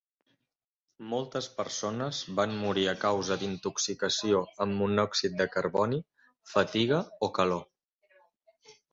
Moltes persones van morir a causa d'intoxicació amb monòxid de carboni, fatiga o calor.